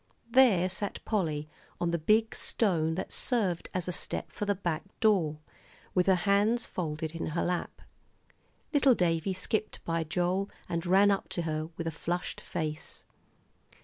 There sat Polly on the big stone that served as a step for the back door, with her hands folded in her lap. Little Davie skipped by Joel, and ran up to her, with a flushed face.